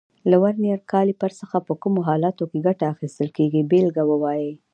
له ورنیز کالیپر څخه په کومو حالاتو کې ګټه اخیستل کېږي بېلګه ووایئ.